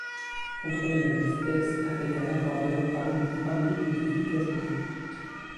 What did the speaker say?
Contrôler la justesse avec un accordeur permet de travailler plus efficacement.